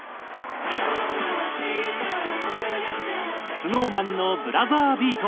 ＳｎｏｗＭａｎの『ブラザービート』。